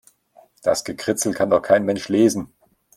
Das Gekritzel kann doch kein Mensch lesen.